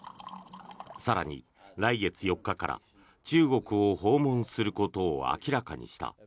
更に来月４日から中国を訪問することを明らかにした。